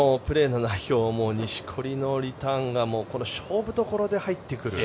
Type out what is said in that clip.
錦織のリターンがこの勝負どころで入ってくる。